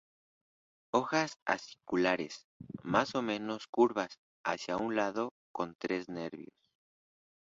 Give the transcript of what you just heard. Hojas aciculares, más o menos curvadas hacia un lado, con tres nervios.